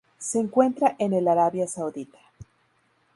Se encuentra en el Arabia Saudita.